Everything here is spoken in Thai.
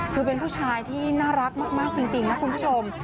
คือเป็นผู้ชายที่น่ารักมากจริงนะคุณผู้ชม